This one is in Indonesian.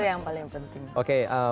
itu yang paling penting